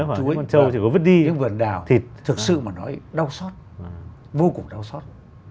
những con trâu chỉ có vứt đi những vườn đào thực sự mà nói đau xót vô cùng đau xót